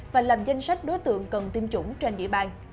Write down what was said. và làm danh sách đối tượng cần tiêm chủng trên địa bàn